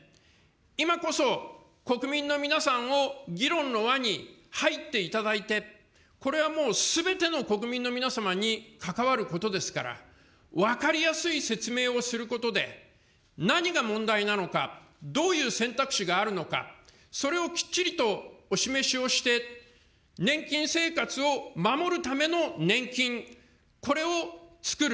今こそ、国民の皆さんを議論の輪に入っていただいて、これはもうすべての国民の皆様に関わることですから、分かりやすい説明をすることで、何が問題なのか、どういう選択肢があるのか、それをきっちりとお示しをして、年金生活を守るための年金、これをつくる。